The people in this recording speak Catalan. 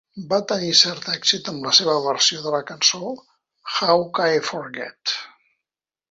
Va tenir cert èxit amb la seva versió de la cançó "How Ca I Forget?".